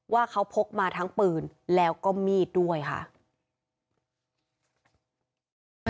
ว่าเขาพกมาทั้งปืนแล้วก็มีดด้วยค่ะ